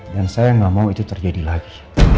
dan saya nggak mau itu terjadi lagi